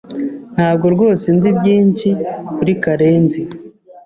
Ntabwo rwose nzi byinshi kuri Karenzi .